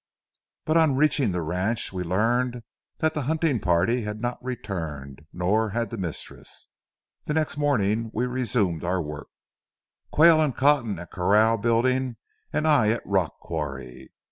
But on reaching the ranch we learned that the hunting party had not returned, nor had the mistress. The next morning we resumed our work, Quayle and Cotton at corral building and I at the rock quarry.